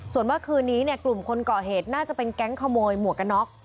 ส่วนเมื่อคืนนี้เนี่ยกลุ่มคนก่อเหตุน่าจะเป็นแก๊งขโมยหมวกกันน็อก